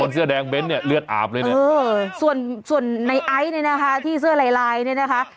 คนเสื้อแดงเบนซ์เนี้ยเลือดอาบเลยเนี้ยเออส่วนส่วนในไอซ์เนี้ยนะคะ